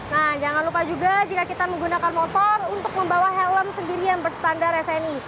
nah jangan lupa juga jika kita menggunakan motor untuk membawa helm sendiri yang berstandar sni